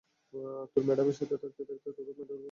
তোর ম্যাডামের সাথে থাকতে থাকতে তোরও মেডেলের ভুত চড়ে গেছে!